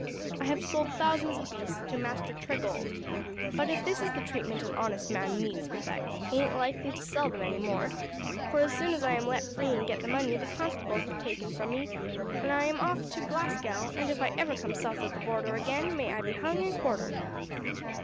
I have sold thousands of beasts to Master Tregold; but if this is the treatment an honest man meets with I ain't likely to sell them any more, for as soon as I am let free and get the money the constables have taken from me I am off to Glasgow and if I ever come south of the border again, may I be hung and quartered."